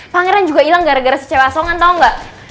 pangeran juga ilang gara gara si cewek asongan tau gak